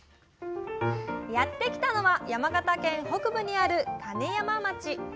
やって来たのは山形県北部にある金山町。